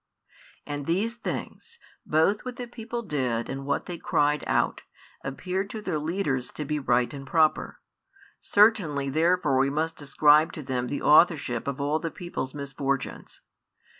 And these things, both what the people did and what they cried out, appeared to their leaders to be right and proper; certainly therefore we must ascribe to them the authorship of all the people's misfortunes.